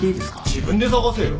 自分で探せよ。